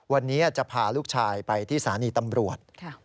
วันนี้จะพาลูกชายไปที่สถานีตำรวจ